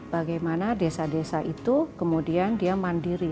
bagaimana desa desa itu kemudian dia mandiri